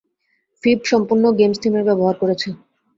ফিব সম্পূর্ণ গেমস থিমের ব্যবহার করেছে।